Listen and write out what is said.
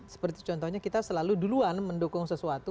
seperti contohnya kita selalu duluan mendukung sesuatu